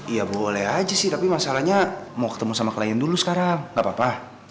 ya boleh aja sih tapi masalahnya mau ketemu sama klien dulu sekarang gapapa